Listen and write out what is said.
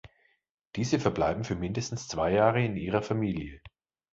Diese verbleiben für mindestens zwei Jahre in ihrer Familie.